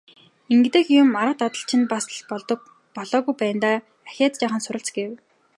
Ингэдэг юм, арга дадлага чинь бас л болоогүй байна даа, ахиад жаахан суралц гэв.